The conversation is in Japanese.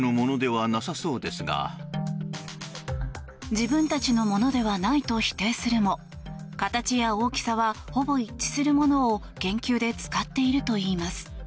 自分たちのものではないと否定するも形や大きさはほぼ一致するものを研究で使っているといいます。